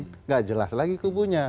tidak jelas lagi kubunya